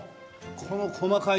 この細かい。